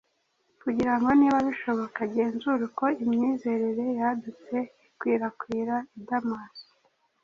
kugira ngo niba bishoboka agenzure uko imyizerere yadutse ikwirakwira i Damasi.